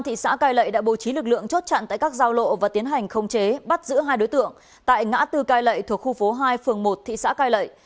thì bất ngờ bị các trinh sát ập vào bắt giữ hai đối tượng tại ngã tư cai lậy thuộc khu phố hai phường một thị xã cai lậy